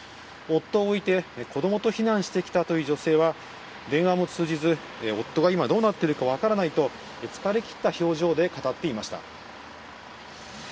夫を置いて子どもと避難してきたという女性は、電話も通じず、夫が今、どうなっているか分からないと、疲れ切った表情で語っていました。